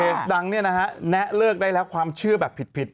ดังเนี่ยนะฮะแนะเลิกได้แล้วความเชื่อแบบผิด